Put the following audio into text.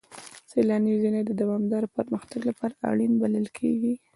سیلاني ځایونه د دوامداره پرمختګ لپاره اړین بلل کېږي.